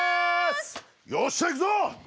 よっしゃ行くぞ！